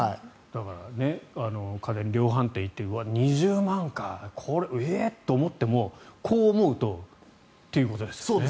だから家電量販店に行って、２０万かえっ？と思ってもこう思うと、ということですね。